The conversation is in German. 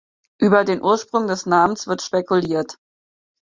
Über den Ursprung des Namens wird spekuliert.